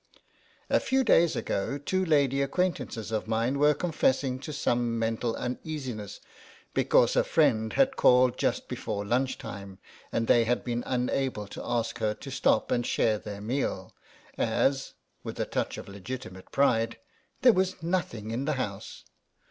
A few days ago two lady acquaintances of mine were confessing to some mental uneasiness because a friend had called just before lunch time, and they had been unable to ask her to stop and share their meal, as (with a touch of legiti mate pride) " there was nothing in the house."